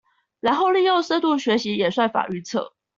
然後利用深度學習演算法預測